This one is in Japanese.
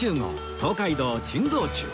東海道珍道中